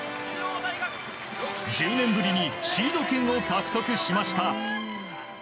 １０年ぶりにシード権を獲得しました。